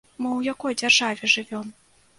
Мы ў якой дзяржаве жывём?